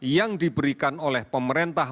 yang diberikan oleh pemerintah